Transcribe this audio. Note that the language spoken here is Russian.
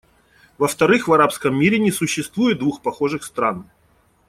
Во-вторых, в арабском мире не существует двух похожих стран.